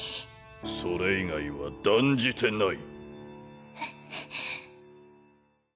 それ以外は断じてない。